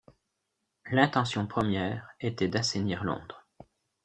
L'intention première était d'assainir Londres.